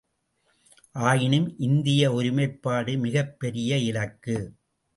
ஆயினும் இந்திய ஒருமைப்பாடு மிகப் பெரிய இலக்கு.